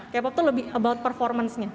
k pop itu lebih about performance nya